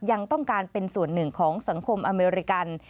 ยังต้องการเป็นส่วนหนึ่งของสังคมอเมริกัน